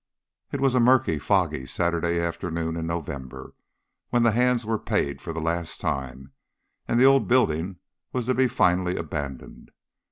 It was a murky, foggy Saturday afternoon in November when the hands were paid for the last time, and the old building was to be finally abandoned.